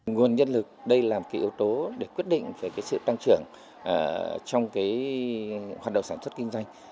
nguồn nhân lực đây là một cái yếu tố để quyết định về cái sự tăng trưởng trong cái hoạt động sản xuất kinh doanh